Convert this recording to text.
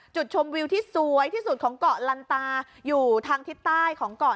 จุดชมวิวที่สวยที่สุดของเกาะลันตาอยู่ทางทิศใต้ของเกาะ